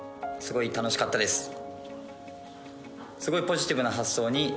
すごい楽しかったです。